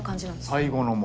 最後のも。